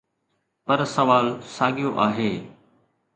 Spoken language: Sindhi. پر سوال ساڳيو آهي.